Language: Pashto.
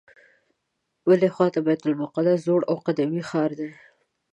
بلې خواته یې د بیت المقدس زوړ او قدیمي ښار دی.